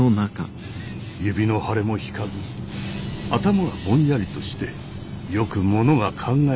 指の腫れも引かず頭がぼんやりとしてよくものが考えられず。